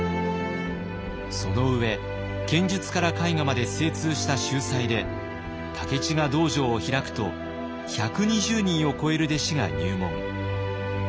その上剣術から絵画まで精通した秀才で武市が道場を開くと１２０人を超える弟子が入門。